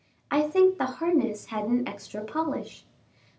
I think the harness had an extra polish.